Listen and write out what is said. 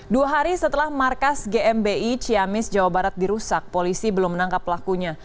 dua hari setelah markas gmi ciamis jawa barat dirusak polisi belum menangkap pelakunya